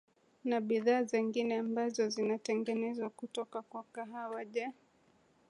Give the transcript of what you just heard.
na bidhaa zingine ambazo zinatengenezwa kutoka kwa kahawa je